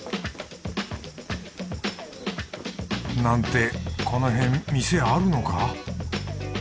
なんてこの辺店あるのか？